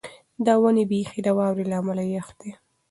د ونې بېخ د واورې له امله یخ دی.